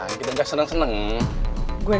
ayo kita pindah nyuruh nyuruh aja